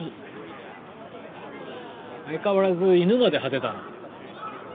相変わらず犬まで派手だな。